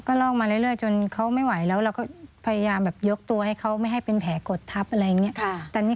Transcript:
ก็ลอกมาเรื่อยจนเขาไม่ไหวแล้วเราก็พยายามแบบยกตัวให้เขาไม่ให้เป็นแผลกดทับอะไรอย่างนี้